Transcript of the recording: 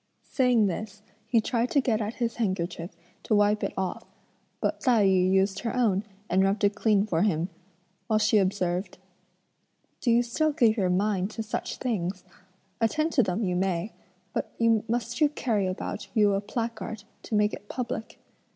Saying this, he tried to get at his handkerchief to wipe it off; but Tai yü used her own and rubbed it clean for him, while she observed: "Do you still give your mind to such things? attend to them you may; but must you carry about you a placard (to make it public)?